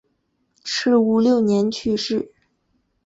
赤乌六年去世。